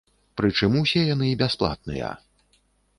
Прычым, усе яны бясплатныя.